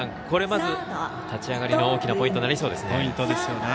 まず立ち上がりの大きなポイントになりそうですね。